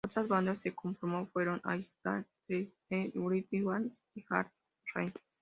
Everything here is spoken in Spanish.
Otras bandas que conformó fueron All Stars, The Stevie Wright Band y Hard Rain.